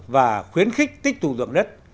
và khuyến khích tích tụ dưỡng đất